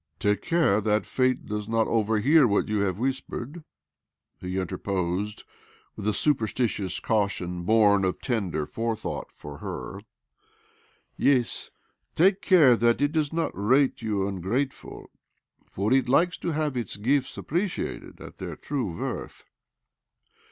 " Take care that Fate does not overhear what you have whispered," he interposed with a superstitious caution born of tender fore thought for her. " Yes, take care that it does not rate you ungrateful, for it likes to have its gifts appreciated at their true worth.